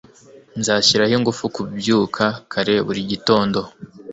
Nzashyiraho ingufu kubyuka kare buri gitondo.